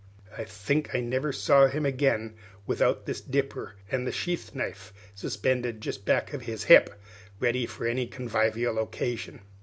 I think I never saw him without this dipper and a sheath knife suspended just back of his hip, ready for any convivial occasion.